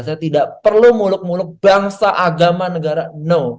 saya tidak perlu muluk muluk bangsa agama negara no